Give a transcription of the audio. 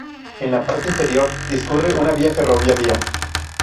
En la parte inferior discurre una vía ferroviaria.